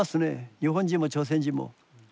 日本人も朝鮮人も。